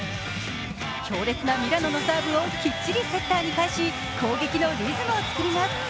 強烈なミラノのサーブをきっちりセッターに返し、攻撃のリズムを作ります。